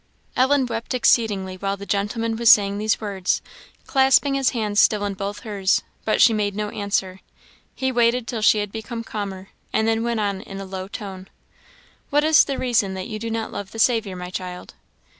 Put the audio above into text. Ellen wept exceedingly while the gentleman was saying these words, clasping his hands still in both hers; but she made no answer. He waited till she had become calmer, and then went on in a low tone "What is the reason that you do not love the Saviour, my child?"